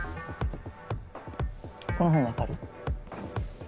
この本わかる？